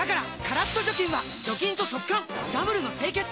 カラッと除菌は除菌と速乾ダブルの清潔！